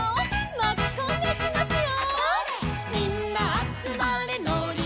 「まきこんでいきますよ」